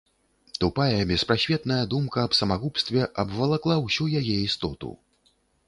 Тупая беспрасветная думка аб самагубстве абвалакла ўсю яе істоту.